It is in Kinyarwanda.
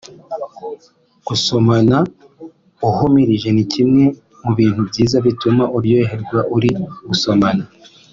Gusomana uhumirije ni kimwe mu bintu byiza bituma uryoherwa uri gusomana